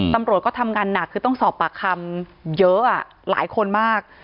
ตำรวจก็ทำงานหนักคือต้องสอบปากคำเยอะหลายคนมาก